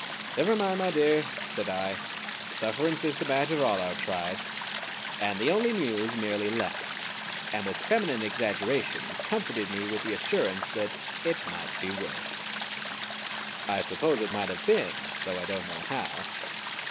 "Never mind, my dear," said I. "Sufferance is the badge of all our tribe." And the Only Muse merely laughed, and with feminine exaggeration comforted me with the assurance that "it might be worse." I suppose it might have been; though I don't know how.